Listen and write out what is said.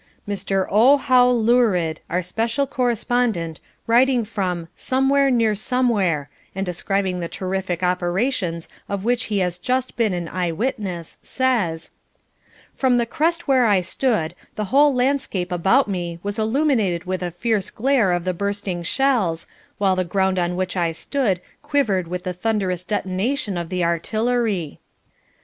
Mr. O. Howe Lurid, our special correspondent, writing from "Somewhere near Somewhere" and describing the terrific operations of which he has just been an eyewitness, says: "From the crest where I stood, the whole landscape about me was illuminated with the fierce glare of the bursting shells, while the ground on which I stood quivered with the thunderous detonation of the artillery.